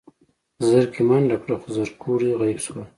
زرکې منډه کړه خو زرکوړي غيب شول.